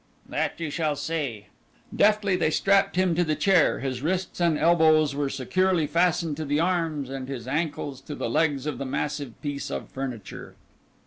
"That you shall see." Deftly they strapped him to the chair; his wrists and elbows were securely fastened to the arms, and his ankles to the legs of the massive piece of furniture.